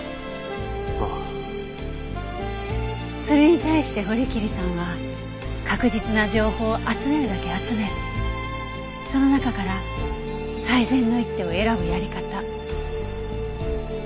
それに対して堀切さんは確実な情報を集めるだけ集めその中から最善の一手を選ぶやり方。